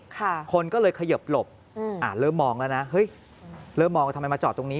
คนก็เลยขยิบหลบอืมอ่าเริ่มมองแล้วนะเฮ้ยเริ่มมองทำไมมาจอดตรงนี้